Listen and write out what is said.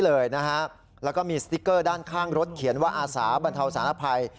แล้วก็มีสติ๊กเกอร์ด้านข้างรถเขียนว่าอาสาบรรเทาสารภัย